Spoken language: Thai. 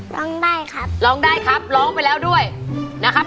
ร้องได้ครับร้องได้ครับร้องไปแล้วด้วยนะครับ